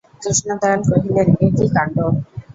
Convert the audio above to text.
কৃষ্ণদয়াল কহিলেন, এ কী কাণ্ড!